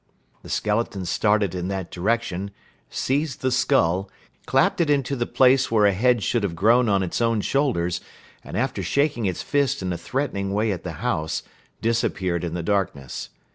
The skeleton started in that direction, seized the skull, clapped it into the place where a head should have grown on its own shoulders, and, after shaking its fists in a threatening way at the house, disappeared in the darkness.